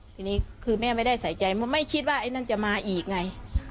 ทีนี้คือแม่ไม่ได้ใส่ใจไม่คิดว่าไอ้นั่นจะมาอีกไง